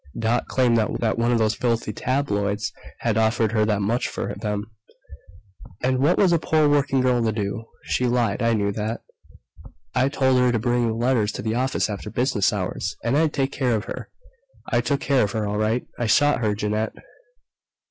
Dot claimed that one of those filthy tabloids had offered her that much for them and what was a poor working girl to do? She lied. I knew that. "I told her to bring the letters to the office after business hours, and I'd take care of her. I took care of her, all right. I shot her, Jeannette!"